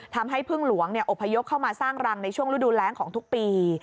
ทำให้พึ่งหลวงอบพยพเข้ามาสร้างรังในช่วงฤดูแรงของทุกปี